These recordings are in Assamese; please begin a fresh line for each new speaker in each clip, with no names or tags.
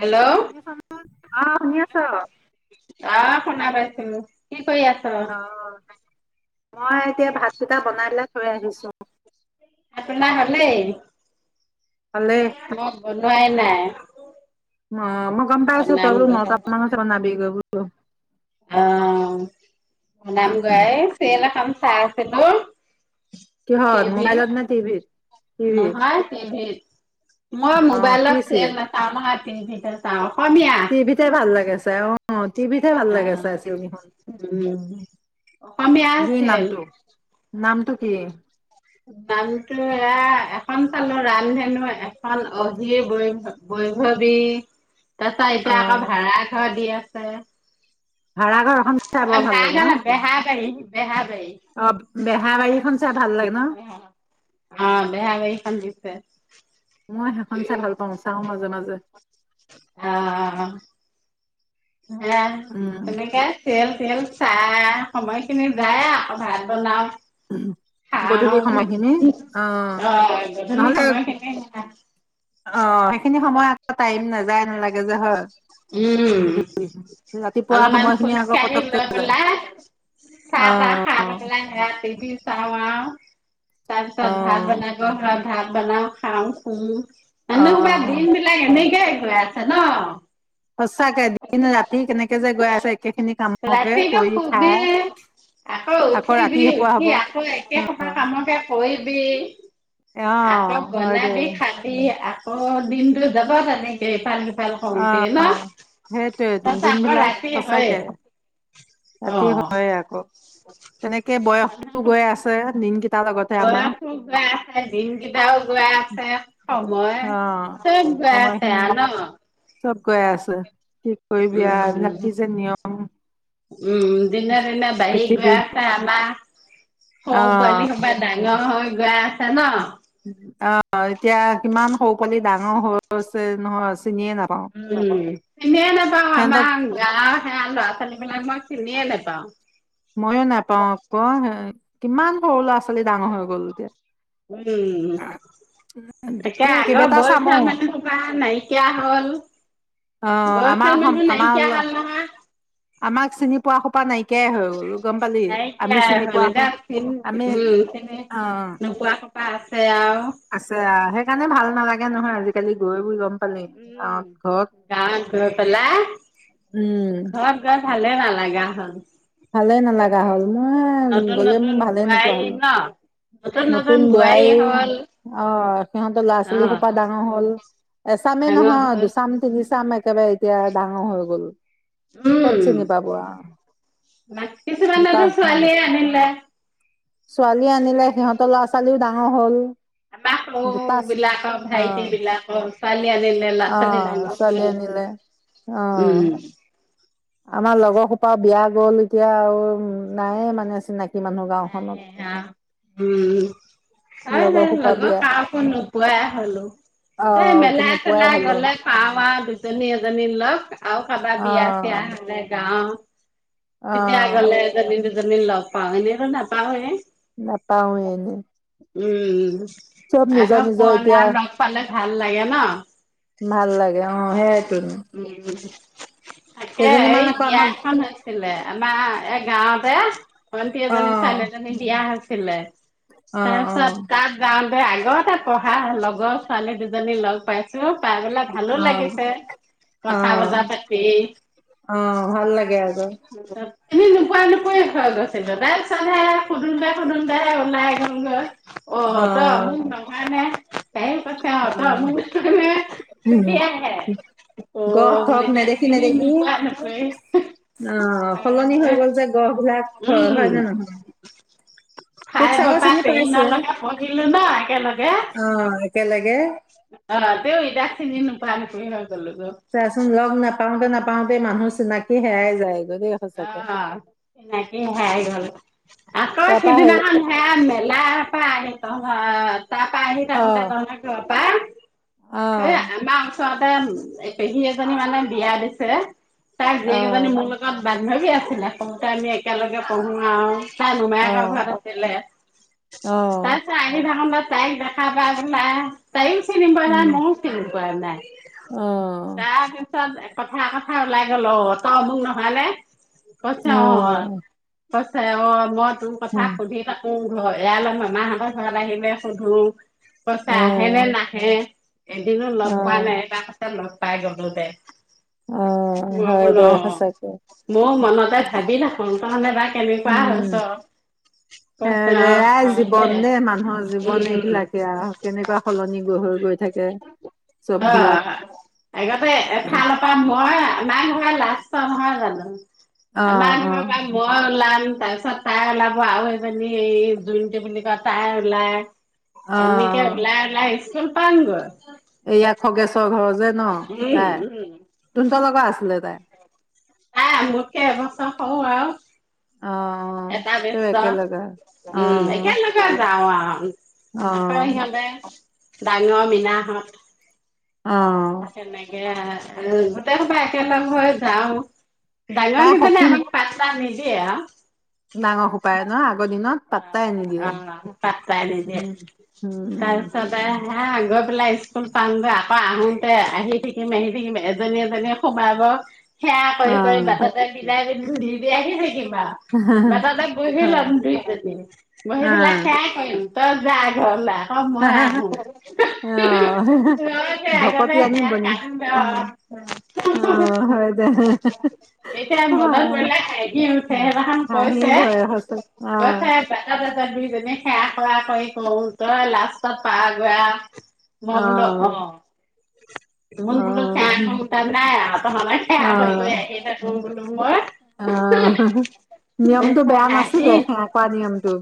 হেল্ল'
শুনিছা নে? অ শুনি আছো
অ শনা পাইছিলোঁ কি কি কৰি আছ
অ',
।
মই এতিয়া ভাতকেইটা বনালৈ থৈ আহিছোঁ
আপোনা হ'লেই
ভালে
মই বনোৱাই নাই
অ মই গম পাই আছোঁ
বনাম
তই
গহে
নটা মান পিছত অনাবি গৈ বুলি অ
অ অ নাম গাই চেয়ল খাম চাই আছে তো
কি হয় মবাইলত নাই তিভিত তিভি
নহয় টিভিত মই
অ',
মোবাইলত খেল নাচাওঁ মাত ভিতৰত চাওঁ অসমীয়া
টিভিতে ভাল লাগে চাই আহ টিভিতে ভাল
অ
লাগে চাই চিনিখনুন
উম অসমীয়া
বি
চিৰিয়েল
নামটো নামটো কি
নামটো এয়া এখন চালো ৰামধেনু এখন অহিৰ বৈ বৈভৱী তাৰ পাছত এতিয়া আকৌ
অ',
ভাড়া ঘৰ দিয়ে হে
ভাড়াঘৰখন চাই বৰ ভাল লাগে ন
বেহাবাৰী বেহাবাৰী
অ বেহাবাৰীখন চাই ভাল লাগে ন?
অ বেহাবাৰী খন দিছে [inaudible]
মই সেইখন চাই ভাল পাওঁ চাওঁ মাজে মাজে
অ অ অ হে
উম,
তুমি কা চিয়েল য়েল চাই সময়খিনি যায় আৱ আকৌ ভাত বনাওঁ খাঁৱ
গধূলি সময়খিনি
অ গধূলি
নহ'লে
সময়খিনি
অ সেইখিনি সময়ত টাইম নেযায় লাগে যে হয়
উম
গধূলি ৰাতিপুৱা
অলমান
সময়খিনি আকৌ
খোজকাঢ়ী
পতককে
লৈ
যায়
পেলাই
অ
চাহ তাহ খাই পেলাই সেয়া টি ভি চাওঁ আৱ তাৰ
অ
পিছত ভাত বনাব হয় ভাত বনাওঁ খাওঁ শুঁ
অ
মানুহ সোপা দিন বিলাক এনে কেই গৈ আছে ন
সঁচাকে দিন ৰাতি কেনেকে যে গৈ আছে একেখিনি কামকে
ৰাতিটো
কৰি
শুবি
খাই আকৌ
উঠিবি
ৰাতিপোৱা
উঠি
হ'ব অ
বি আক
হয় দে
বনাবি খাবি আ অ দিনটো যাবা তেনেকে ইফালে সিফাল কৰোঁতে
অ সেইটোয়ে তোন দিন বিলাক
ৰাতি হয়
সঁচাকে
অ
ৰাতি হয় আকৌ তেনেকে বয়সতো গৈ আছে দিন -
বয়সো গৈ আছে দিনকিটাও গৈ আছে মই
অ
চব গৈ আছে
সময়খিনি
ন
চব গৈ আছে। কি কৰিবি আৱ এইবিলাক
উম
কি যে নিয়ম।
উম দিনে দিনে বাঢ়ি গৈ
পৃথিৱী
আছে আমা সৰু
অ
পোৱালি সোপা ডাঙৰ হয়। বেয়া আছে ন।
অ এতিয়া কিমান সৰু পোৱালি ডাঙৰ আ হৈছে নহয় চিনিয়ে নাপাওঁ
উ চিনিয়ে নাপাও
সিহঁতক
আমাৰ গা স লৰা ছোৱালী বিলাক মই চিনিয়ে নাপাওঁ। পাওঁ।
ময়ো নাপাও আকৌ কিমান সৰু ল'ৰা ছোৱালী ডাঙৰ হৈ গ'ল এতিয়া।
উম তাকে
এতিয়া
আগৰ
কেইবেটা চামো
বয়সীয়াল মানুহ সোপা নাইকিয়া হ'ল।
অ
বয়সীয়াল
আমাৰ
মানুহ
আমাৰ
নাইকিয়া হ'ল নহয়।
আমাক চিনি পোৱা সোপা নাইকিয়া
নাইকিয়া হ'লদ
হয়
উম
আমি
খনে
অ
নোপোৱা পাছে।
আছে সেইকাৰণে ভাল নালাগে নহয় আজিকালি গৈ গ
উম গা গৰ পেলাই‌
উম
ঘৰত গৈ। ভালে নালাগা হ'ল।
ভালে নালাগা হ'ল মই
নতুন
গলে মোৰ
নতুন
ভালে নোপোৱা
বোৱাৰী
হ'ল
ন
নতুন বোৱাৰী অ সিহঁতৰ ল'ৰা
অ
ছোৱালী সোপা ডাঙৰ হ'ল এচামে
ডাঙৰ
নহয়
হ'ল
দুচাম তিনিচাম একেবাৰে এতিয়া ডাঙৰ হৈ গলোঁ কত চিনি পাব আৰু
কিছুমানে
দুটা
টো
চাম।
ছোৱালীয়ে আনিলে
ছোৱালী আনিলে সিহঁত বোলো ডাঙৰ হ'ল
বাপু
দুটা
বিলাক ভাইটি
অ'
বিলাক ছোৱালি আনিলে ল'ৰা ছোৱালী
অ'
ডাঙৰ
ছোৱালী
হ'ল
আনিলে অ'
উম
আমাৰ লগৰ সোপা বিয়া গ'ল এতিয়া আৰু নায়ে মানে চিনাকি মানুহ গাঁওখনত।
নাই উম তই
সোপা
লগৰ
বিয়া
কাকো নোপোৱাই হলো তই
অ'
মেলাই
নোপোৱাই
চেলাই
হ'লো
গলে পাও আৰু দুজনী এজনী লগ আৰু কাৰোবাৰ বিয়া চয়া
অ'
হলে য়াও তেতিয়া
অ'
গলে এজনী দুজনি লক পাওঁ নাপাওঁয়ে
নাপাওঁ এনে
উম উম আগ পোৱা মিলা
এতিয়া
লগক পালে ভাল লাগে ন
ভাল লাগে অ সেইটোন
উ তাকে
কেইজনীমান
এই
আকৌ
বিয়া
আমাক
এখন হৈছিলে, আমাৰ এ গাঁৱতে ভন্টি
অ
এজনি ছোৱালী জনী বিয়া হৈছে ছিলে।
অ অ
তাৰপিছত তাত যাওঁতে আগৰতে পঢ়া লগৰ ছোৱালী দু জনী লগ পাইছো। পাই গলে ভালো
অ
লাগিছে,
অ
কথা বজা পাতি।
অ ভাল লাগে আকৌ
নোপোৱা নোপৰি হৈ গৈছিলে তাৰ পিছত খুদুনবাই-খুদুনবাই ওলাই গলগৈ। অ তই
অহ,
অমুক নহয় নে তাইও কৈছে অ তই অমুক নহয় নে
অহ,
তেতিয়াহে অ
গহ থক
বোলে তাক চিনি
নেদেখি-নেদেখি।
নোপোৱা
অহ, সলনি হৈ
নোপোৱাই
গল যে গহ বিলাক হয় নে ন উ
ফাইপৰ টেইন লগে পঢ়িলো ন, একেলগে?
অ একেলগে
তহঁতেও ইদাক চিনি নোপোৱা নুপুৱি হল।
চ আচোন লগ নাপাওঁতে নাপ পাওঁতে মানুহ চিনাকি হেয়াই যায়।
অহ, চিনাকি হেৰাই গ'ল। আকৌ
তাৰপা সেই
সিদিনাখন সেয়া মেলা পৰা আহি তহঁত তাৰ পা আহি থাকোঁতে, তহঁতক [unintelligible] পা
অহ।
ততে পেহী এজনী মানে বিয়া দিছে। তাই
অ
জীয়েক এজনী মোৰ লগত বান্ধৱী আছিলে, সৰুতে আমি একেলগে পঢ়োঁ আৰু। তাই
অ
মোমায়েকৰ ঘৰত আছিলে।
অ
তাৰ পিছত অহ থাকোঁতে তাই দেখা পাল না তাইয়ো চিনি পুৱনাই, মইও চিনি পোৱা নাই।
অহ।
পিছত কথা-কথা ওলাই গল, অঁহ তই অমোক নহয় নে? কৈছে অহ।
অ',
কৈছে অহ মই কথা
উম,
সুধি থাকো। ঘৰ এয়া লয় মাহঁতৰ ঘৰত আহিলে সুধো । কচ আহ নে
অ',
নাহে । এদিনো লগ পোৱা
অ',
নাই তাৰ পাছত লগ পাই গমতে
অ হয় দে সচাকে
মোৰ মনতে ভাবি থাকুং হয়ান ভাই কেনেকোৱা
উম,
হৈছ
সেই
কৈছে
দে
অ
আই
অ ত
জীৱন দেই মানুহৰ জীৱন
উম উম
এইবিলাকে আৰু কেনেকুৱা সলনি গৈ হৈ গৈ থাকে চব
অ
বিলাক।
আগতে এফালপাম মই আমাৰ ঘৰ লাষ্টৰ নহয় জানো
অ',
আমাৰুহৰ
অ'।
পাক বই ওলাম । তাৰ পিছত তাই ওলাব আৰু এইজনি এই জইনটি বুলি কয় তাই ওলাই এনেকে ওলাই ওলাই আহ শলপাংগড
এয়া খগেশৰ ঘৰ যে ন
উম,
তাই
উম।
তো হঁতৰ লগৰ আছিলে তাই
আহ মোকে এবছৰ হও আৰু
অ',
এটা
তেও
ব্যস্ত
একেলগৰ
উম
অ',
একে লগে যাও আৰু অ আকৌ সিহতে ডাঙ মীনা হঁত
অ
এয়া গোটেই হোপা একেলম মই যাও ডাঙৰ
তাই
কেইজনে
সখী
আমাক পাতা ন এইয়া
ডাঙৰ সোপায় ন আগৰ দিনত পাত্তাই আনি
অ
নিদিয়ে
পাত্তাই নিদিয়ে
উম হম
তাৰপিছতে হা গৈ পেলাই স্কুল পাম দে, আকৌ আহোতে আহি থাকিম, আহি থাকিম এজনী এজনী সোমাব সেয়া কৰি
অ'।
কৰি বাটতে [unintelligible] ব
হয়,
বাটতে বহি লম, বহি
অ,
পেলাই সেয়াই কৰিম। [unintelligible] আহো তই আগতে সেয়া কান্দ এতিয়া
[unintelligible]
[unintelligible]
ধৰে সঁচা অ,
[unintelligible] তাত পাওঁ গৈ
অ,
মই বোলো অ
অ, অ,
[unintelligible]
অঁহ নিয়মতটো বেয়া
হাঁহি
নাছিলে সেৱাৰা কৰা নিয়মটো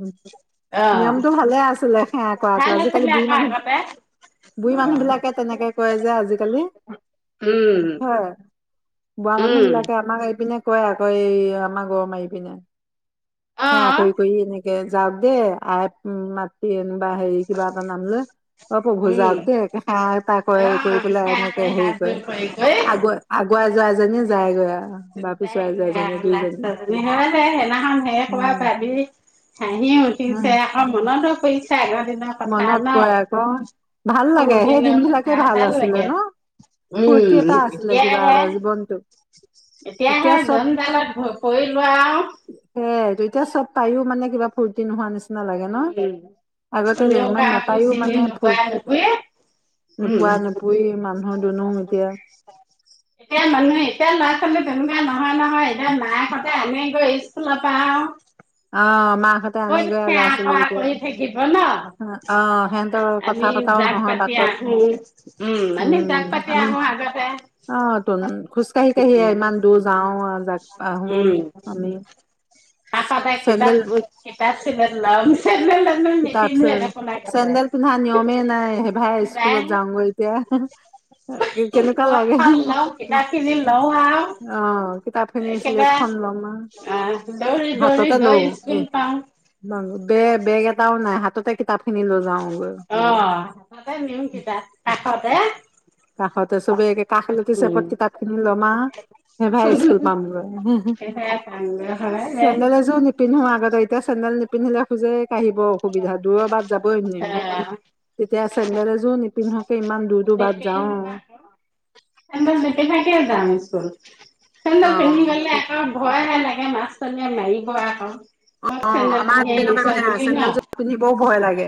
অ
নিয়মটো ভালে আছিলে সেৱা
ভাল
কৰাটো আজিকালি
আছিলে
বুঢ়ী
আকৌ আগতে
মানুহ বুঢ়ী
অ
মানুহ বিলাকে তেনেকে কয় যে আজিকালি
উম
হয় বোৱা মানুহ
উম
বিলাকে আমাক এই পিনে কয় আকৌ এই আমাৰ গৰু মাৰি পিনে
অ
সেৱা কৰি কৰি এনেকে যাওক দে আই মাতি এনো কি বা হেৰি কিবা এটা নাম লৈ [unintelligible]
উম
ক্ৰয়
অ
কৰি পেলাই
সেৱা
এনেকে
কৰি
হেৰি
হাত জোৰ
কৰে
কৰি কৰি
আগ আগুৱাই যায় যদি যায়গৈ আৰু বা পিছুৱাই যোৱা এজনীয়ে দুইজনীয়ে
হেনাখন হে খুৱা
উম
ভাবি হাঁহিয়ে উঠিছে
উম
আকৌ মনতো পৰিছে, আগৰ দিনৰ কথা
মনত
ন,
পৰে আকৌ ভাল লাগে সেই দিন
সৰুদিনৰ
বিলাকে
কথা ভাল
আছিলে
লাগে
ন ফূৰ্তি
উম
এটা আছিলে কিবা
এতিয়াহে
এটা জীৱনটো
এতিয়াহে
এতিয়া চব
জংজালত পৰি লোৱা আৰুা
তেতিয়া চব পায়ো মানে কিবা ফূৰ্তি নোহোৱা নিচিনা লাগে ন
[unintelligible]
আগতে
এতিয়া
যে ইমান নাপায়ো
ল'ৰা
মানে ফু
ছোৱালী তেনেকুৱা
নোপোৱা নোপুৰি
নহয়
মানুহৰ দুনো
নহয়, এতিয়া মাক হঁতে আনে গৈ স্কুলৰ পৰাও
অঁ মাক হঁতে আনেগৈ ল'ৰা ছোৱালী
কৰা
কেইটা,
কৰি থাকিব ন
আহ সিহতৰ কথা
আমি
পতাও
জাক
নহয়
পাতি
বাটত
আহো আমি জাক
উম
পাতি
আমি,
আহো আগতে
আহ তো খোজকাাঢ়ি কাঢ়ি ইমান দূৰ যাও আহ আহো
উম
আমি
কাষতে কিতাপ [unintelligible]
কিতাপ চ
নিপিন্ধোৱে দেখোন আগতে
চেণ্ডেল পোন্ধা নিয়মে নাই হে ভাই স্কুলত যাওঁগৈ এতিয়া কেনেকুৱা লাগে
পথখন লওঁ কিতাপ খিনি লওঁ আৰু
অ কিতাপ চিলেট খন
একেবাৰে
লম
আহ দৌৰি দৌৰি
হাততে
গৈ
লওঁ এ
স্কুল পাওঁ
বে বেগ এটা এটাওঁ নাই হাততে কিতাপ খিন লৈ যাও গৈ
অ তাতে নিউ কেইটা কাষতে
কাষতে চবে কাষলতি
উম
চেপত কিতাপ খিনি লমা সেই ভাই স্কুল পামগৈ
সেয়া সংগ্ৰহালয় যে
চেন্দেল এযোৰ নিপিন্ধো আগতে এতিয়া চেন্দেল নিপিন্ধিলে খোজ কাঢ়ি কাঢ়ি বৰ অসুবিধা টোওঁ কৰবাত যাব।
আহ
তেতিয়া চেন্দেল এযোৰ নিপিন্ধকে ইমান দূৰ দূৰ বাট যাওঁ।
চেন্দেল নিপিন্ধাকে যাম স্কুল
অ
চেন্দেল পিন্ধি গ'লে
সি
আকৌ ভয় হে লাগে। মাছজনীয়ে মাৰিব আকৌ ।
অ', আমাৰ তেনেকুৱা সেয়া
ন
চেন্দেলযোৰ পিন্ধিবও ভয় লাগে।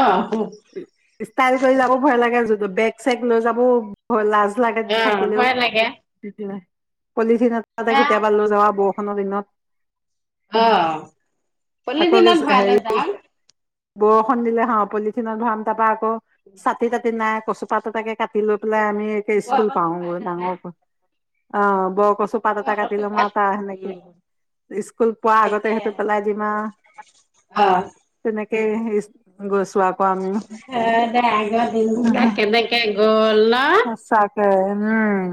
অ
চেক লৈ যাবওঁ। অ লাজ লাগে
অ
থাকিলেও
ভয় লাগে
পলিথিন এটা
এ
কেতিয়াবা লৈ যাব। কোনোদিনত
আহ পলিথিনত ভৰাই
হেৰি
লৈ যাম।
বৰষুণ দিলে হাহ পলিথিনত ভৰাম তাৰপা ছাতি তাতি নাই কচুপাত এটাকে কাটি লৈ লৈ আনি একে স্কুল পাওঁ গৈ ডাঙৰ অ', ব কচু পাত এটা কাটি লম আৰু তাৰ সেনেকে
উম
স্কুল আগতে
তাকে
সেইটো পেলাই দিম
অ
আৰু এনেকে গৈছো আকৌ আমিও
হ দে আগৰ দিন কেনেকে গল ন
সঁচাকে উম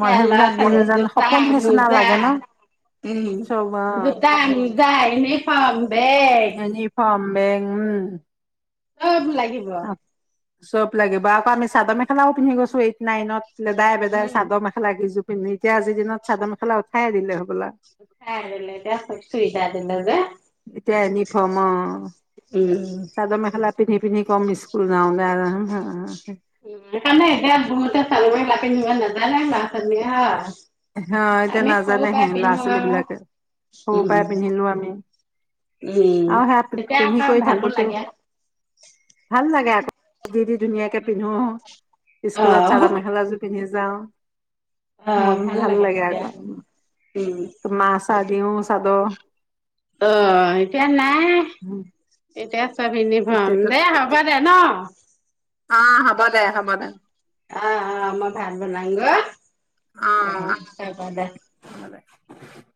মই
ল'ৰা
সেইবিলাক দিন
ছোৱালী
যেন
জোতা
সপোন নিচিনা
মজা
লাগে ন
উ'ম
চব অ'
জোতা মুজা ইউনিফৰ্মৰ বেগ
[unintelligible]
সব এইবোৰ লাগিব।
চব লাগিব আকৌ আমি চাদৰ মেখেলাও পিন্ধি গৈছো এইট নাইনত লেদাই ভেদাই
উম
চাদৰ মেখেলা কেইযোৰ প এতিয়া আজিন চাদৰ মেখেলা উঠাইে দিলে হবা।
ল চুবিধা আ দিল যে।
এতিয়া এনিফৰ্ম
উম।
অ চাদৰ মেখেলা পিন্ধি পিন্ধি। প্ৰমি্।
উকাৰণে এতিয়া দূৰতে চাল ম লি ইমান নাজো। নাই ন চন্েহা।
হা এতিয়া নাজানে হে ল'ৰা ছোৱালী
আৰু
বিলাকে সৰু পৰাই
উম
পিন্ধিলো আমি
উম
আৰু সেয়া
তেতিয়া
পিন্ধি
আকৌ
কৰি
ভালো
থাকোতেও।
লাগে।
ভাল লাগে আকৌ দি দি ধুনীয়াকে পিন্ধো
অ
স্কুলত চাদা মেখেলা জোৰ পিন্ধি। যাওঁ।
অ
মন
ভ
ভাল লাগে আকৌ। মা চ দিওঁ চাধ।
অ এতিয়া নাই এতিয়া। পভাম
এতিয়াতো
দেই হ'ব দে ন।
অ হ'ব দে হ'ব দে
অ অ আমই ভাত বনা গ।
হয়।